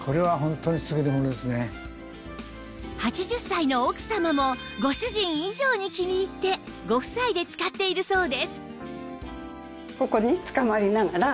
８０歳の奥様もご主人以上に気に入ってご夫妻で使っているそうです